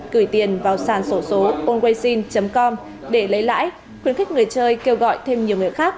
gửi tiền vào sàn sổ số mon waysing com để lấy lãi khuyến khích người chơi kêu gọi thêm nhiều người khác